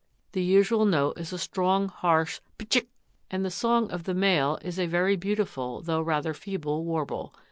The usual note is a strong harsh ptchick, and the song of the male is a very beautiful, though rather feeble, warble.